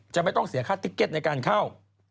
ไม่ต้องเสียค่าติ๊กเก็ตในการเข้า